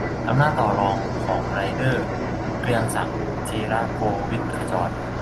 อำนาจต่อรองของไรเดอร์ - เกรียงศักดิ์ ธีระโกวิทขจร